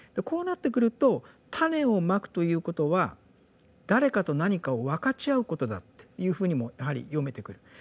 こうなってくると種を蒔くということは誰かと何かを分かち合うことだっていうふうにもやはり読めてくる。